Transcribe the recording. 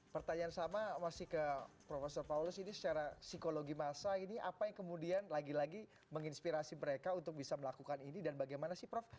pertanyaan sama masih ke prof paulus ini secara psikologi masa ini apa yang kemudian lagi lagi menginspirasi mereka untuk bisa melakukan ini dan bagaimana sih prof